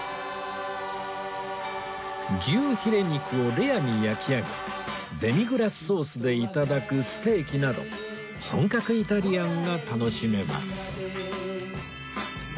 牛ヒレ肉をレアに焼き上げデミグラスソースで頂くステーキなど本格イタリアンが楽しめます